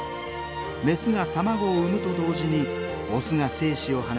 メスが卵を産むと同時にオスが精子を放ち受精させます。